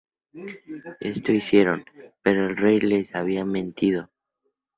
Esto hicieron, pero el rey les había mentido.